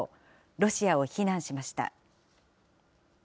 ロシアを非難しました。